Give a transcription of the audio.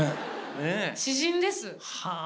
詩人です。